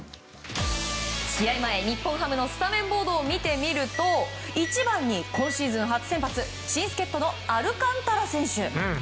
試合前日本ハムのスタメンボードを見てみると１番に今シーズン初先発新助っ人のアルカンタラ選手。